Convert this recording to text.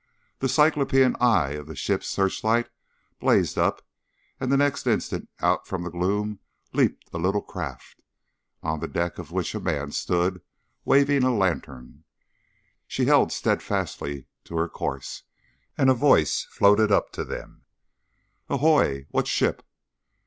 The cyclopean eye of the ship's searchlight blazed up, and the next instant, out from the gloom leaped a little craft, on the deck of which a man stood waving a lantern. She held steadfastly to her course, and a voice floated up to them: "Ahoy! What ship?"